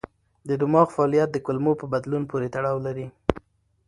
د دماغ فعالیت د کولمو په بدلون پورې تړاو لري.